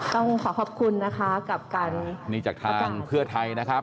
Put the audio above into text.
ต้องขอขอบคุณนะคะกับการนี่จากทางเพื่อไทยนะครับ